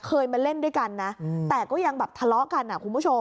เคยมาเล่นด้วยกันนะแต่ก็ยังแบบทะเลาะกันอ่ะคุณผู้ชม